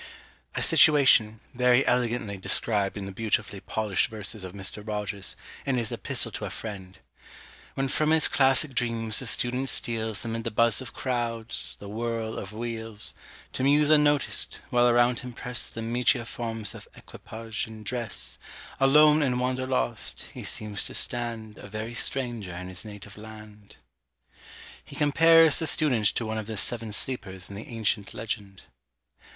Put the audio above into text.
A situation, very elegantly described in the beautifully polished verses of Mr. Rogers, in his "Epistle to a Friend:" When from his classic dreams the student steals Amid the buzz of crowds, the whirl of wheels, To muse unnoticed, while around him press The meteor forms of equipage and dress; Alone in wonder lost, he seems to stand A very stranger in his native land. He compares the student to one of the seven sleepers in the ancient legend.